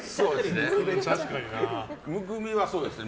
むくみは、そうですね。